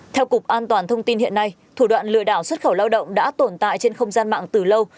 theo cục an toàn thông tin hiện nay thủ đoạn lừa đảo xuất khẩu lao động đã tồn tại trên không gian mạng từ lâu